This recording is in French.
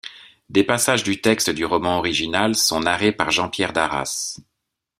Des passages du texte du roman original sont narrés par Jean-Pierre Darras.